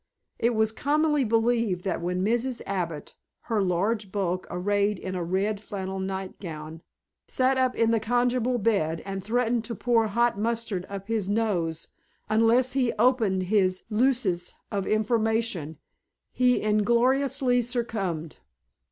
It was commonly believed that when Mrs. Abbott, her large bulk arrayed in a red flannel nightgown, sat up in the connubial bed and threatened to pour hot mustard up his nose unless he opened his sluices of information he ingloriously succumbed.